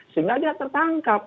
sehingga dia tertangkap